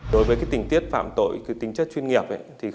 đối với tình tiết phạm tội tính chất chuyên nghiệp